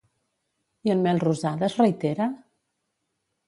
I en Melrosada es reitera?